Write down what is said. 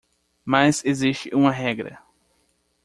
Mas existe uma regra